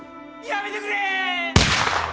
やめてくれー！！